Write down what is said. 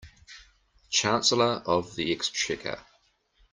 Chancellor of the Exchequer